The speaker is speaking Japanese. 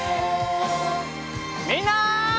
みんな。